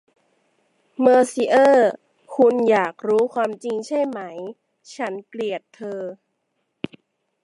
มองซิเออร์ คุณอยากรู้ความจริงใช่ไหม ฉันเกลียดเธอ